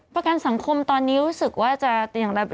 ประกันสังคมตอนนี้รู้สึกว่าจะอย่างไร